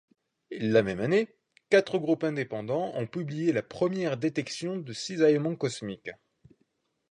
La même année, quatre groupes indépendants ont publié la première détection de cisaillement cosmique.